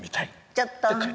ちょっと。